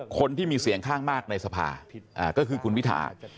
คนที่มีเสียงข้างมากในสภาก็คือคุณวิทา